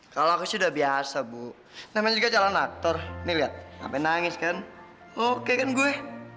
kalau aku sih udah biasa bu namanya juga calon aktor nih lihat sampe nangis kan oke kan gue